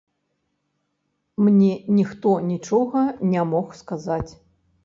Мне ніхто нічога не мог сказаць.